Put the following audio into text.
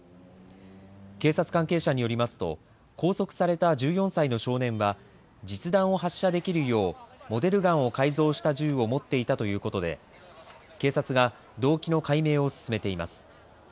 警察関係者によりますと拘束された１４歳の少年は実弾発射をできるようモデルガンを改造した銃を持っていたということで警察が動機の解明を進めています。